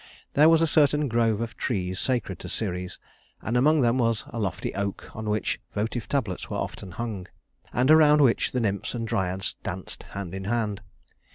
There was a certain grove of trees sacred to Ceres, and among them was a lofty oak on which votive tablets were often hung, and around which the nymphs and Dryads danced hand in hand.